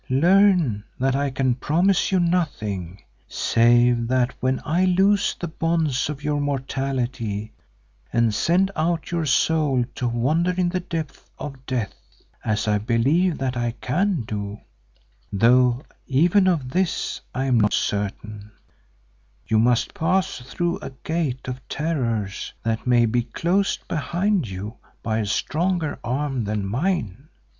Learn that I can promise you nothing, save that when I loose the bonds of your mortality and send out your soul to wander in the depths of Death, as I believe that I can do, though even of this I am not certain—you must pass through a gate of terrors that may be closed behind you by a stronger arm than mine.